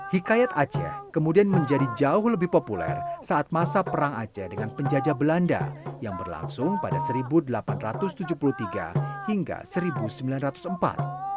hikayat aceh kemudian menjadi jauh lebih populer saat masa perang aceh dengan penjajah belanda yang berlangsung pada seribu delapan ratus tujuh puluh tiga hingga seribu sembilan ratus empat